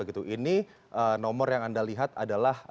ini nomor yang anda lihat adalah